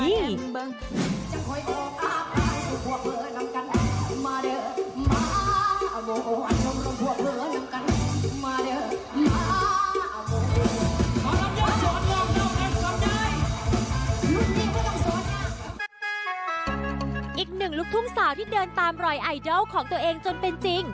อีกหนึ่งลูกทุ่งสาวที่เดินตามรอยไอดอลของตัวเองจนเป็นจริง